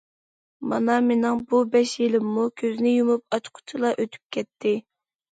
مانا مېنىڭ بۇ بەش يىلىممۇ كۆزنى يۇمۇپ ئاچقۇچىلا ئۆتۈپ كەتتى.